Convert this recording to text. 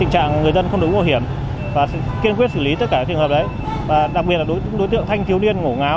sẽ quay đầu bỏ chạy